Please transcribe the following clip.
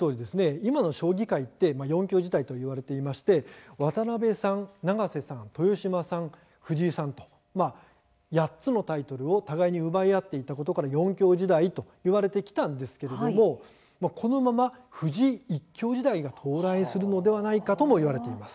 今の将棋界は四強時代といわれていまして渡辺さん、永瀬さん、豊島さん藤井さんと８つのタイトルを互いに奪い合っていたことから四強時代といわれてきたんですけれどもこのまま藤井一強時代が到来するのではないかともいわれています。